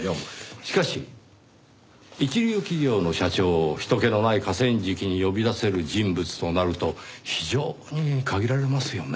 しかし一流企業の社長を人けのない河川敷に呼び出せる人物となると非常に限られますよね。